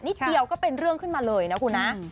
เดียวก็เป็นเรื่องขึ้นมาเลยนะคุณนะ